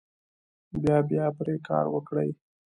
بیا بیا پرې کار وکړئ.